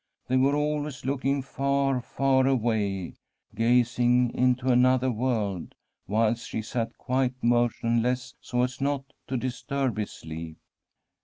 They were always looking far, far away, gazing into another world, whilst she sat quite motionless, so as not to disturb his sleep.